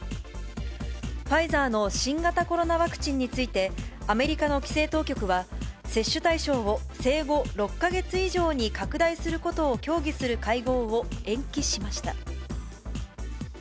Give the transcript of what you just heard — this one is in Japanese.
ファイザーの新型コロナワクチンについて、アメリカの規制当局は、接種対象を生後６か月以上に拡大することを協議する会合を延期しました。